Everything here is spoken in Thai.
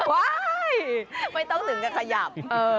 ไม่ต้องถึงกับขยับ